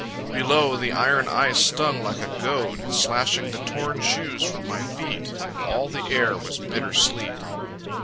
Below The iron ice stung like a goad, Slashing the torn shoes from my feet, And all the air was bitter sleet.